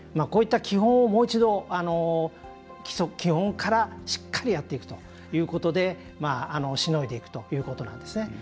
こういった基本をもう一度基本から、しっかりやっていくということでしのいでいくということなんです。